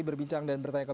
berbincang dan bertanya ke